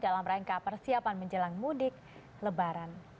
dalam rangka persiapan menjelang mudik lebaran